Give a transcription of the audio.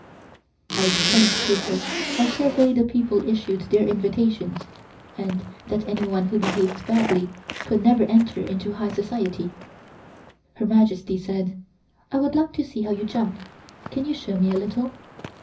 I explained to her how carefully the people issued their invitations, and that anyone who behaved badly could never enter into high society. Her Majesty said: "I would like to see how you jump, can you show me a little?"